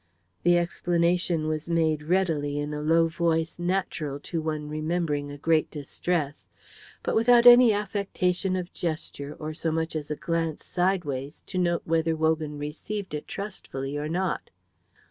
The explanation was made readily in a low voice natural to one remembering a great distress, but without any affectation of gesture or so much as a glance sideways to note whether Wogan received it trustfully or not.